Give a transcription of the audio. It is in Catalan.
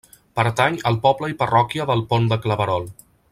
Pertany al poble i parròquia del Pont de Claverol.